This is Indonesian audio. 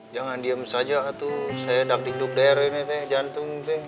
jangan diam saja saya sudah tidur di daerah ini jantung